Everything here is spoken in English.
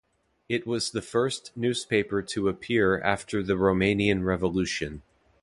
It was the first newspaper to appear after the Romanian Revolution.